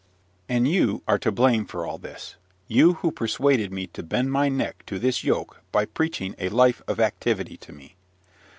And you are to blame for all this, you who persuaded me to bend my neck to this yoke by preaching a life of activity to me.